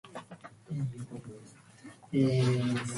早朝から働くのが首相のペース